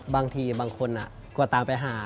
บางทีบางคนกว่าตามไปหา